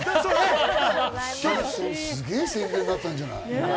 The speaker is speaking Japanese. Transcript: すげぇ宣伝になったんじゃない？